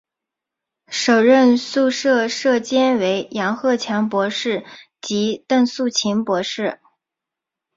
首任宿舍舍监为杨鹤强博士及邓素琴博士。